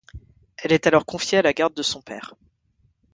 Elle est alors confiée à la garde de son père.